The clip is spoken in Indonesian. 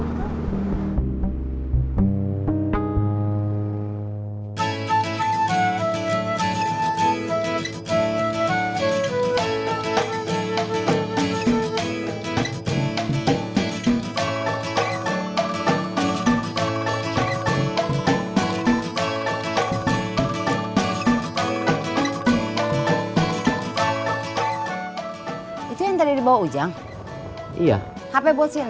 sampai jumpa di video selanjutnya